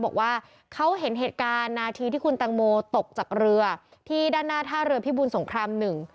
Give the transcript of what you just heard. บอกว่าเขาเห็นเหตุการณ์นาทีที่คุณตังโมตกจากเรือที่ด้านหน้าท่าเรือพิบูลสงครามหนึ่ง